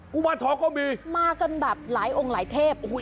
ุมารทองก็มีมากันแบบหลายองค์หลายเทพ